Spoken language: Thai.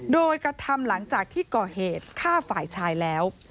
โดยกระทำหลังจากที่ก่อเหตุฆ่าฝ่ายชายแล้ว